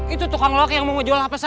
itu tukang loke yang mau jual hape saya